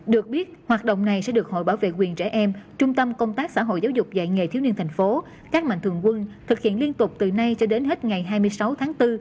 được biết hoạt động này sẽ được hội bảo vệ quyền trẻ em trung tâm công tác xã hội giáo dục dạy nghề thiếu niên thành phố các mạnh thường quân thực hiện liên tục từ nay cho đến hết ngày hai mươi sáu tháng bốn